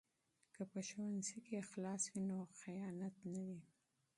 که په ښوونځي کې اخلاص وي نو خیانت نه وي.